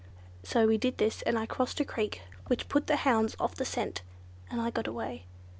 So we did this, and I crossed a creek, which put the hounds off the scent, and I got away.